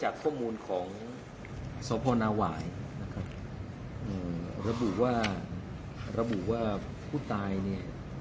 ข้อมูลของสพนาหวายนะครับอืมระบุว่าระบุว่าผู้ตายเนี่ย